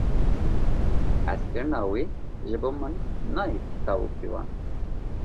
Hezkirina wê ji bo min nayê pîtav û pîvan.